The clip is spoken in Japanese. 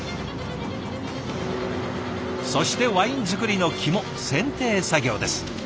そしてワイン造りの肝選定作業です。